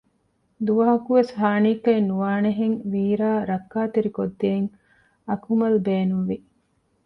ދުވަހަކުވެސް ހާނީއްކައެއް ނުވާނެހެން ވީރާ ރައްކާތެރިކޮށްދޭން އަކުމަލް ބޭނުންވި